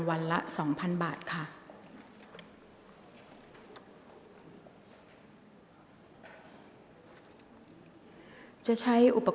กรรมการท่านที่ห้าได้แก่กรรมการใหม่เลขเก้า